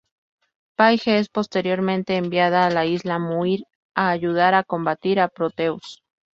Paige es posteriormente enviada a la Isla Muir a ayudar a combatir a Proteus.